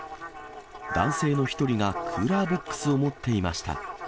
男性の一人がクーラーボックスを持っていました。